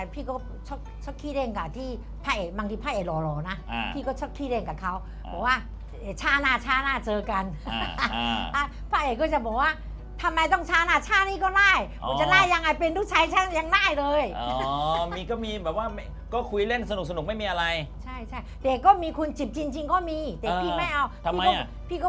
พี่ก็ชอบขี้เล่นกับที่พระเอก